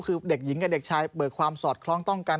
คือเด็กหญิงกับเด็กชายเบิกความสอดคล้องต้องกัน